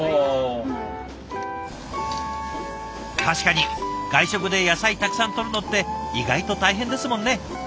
確かに外食で野菜たくさんとるのって意外と大変ですもんね。